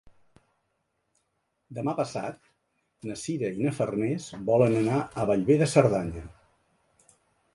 Demà passat na Sira i na Farners volen anar a Bellver de Cerdanya.